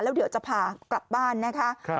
แล้วเดี๋ยวจะพากลับบ้านนะคะ